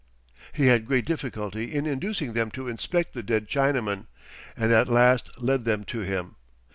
He had great difficulty in inducing them to inspect the dead Chinaman, and at last led them to him.